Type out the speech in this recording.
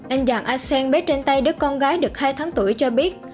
anh dạng a seng bếp trên tay đứa con gái được hai tháng tuổi cho biết